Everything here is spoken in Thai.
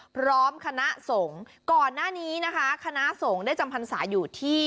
พร้อมคณะสงฆ์ก่อนหน้านี้นะคะคณะสงฆ์ได้จำพรรษาอยู่ที่